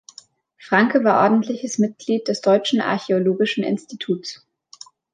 Franke war ordentliches Mitglied des Deutschen Archäologischen Instituts.